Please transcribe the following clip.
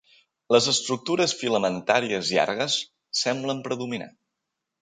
Les estructures filamentàries llargues semblen predominar.